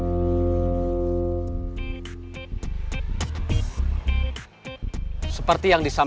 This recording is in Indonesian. bahwa kita harus berpikir selesai